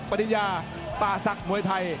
ปริญญาปาสักมวยไทย